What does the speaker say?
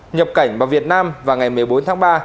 nhập cảnh vào việt nam vào ngày một mươi bốn tháng ba